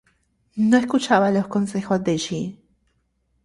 No escuchaba los consejos de Yi.